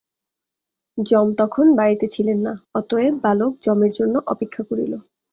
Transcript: যম তখন বাড়ীতে ছিলেন না, অতএব বালক যমের জন্য অপেক্ষা করিল।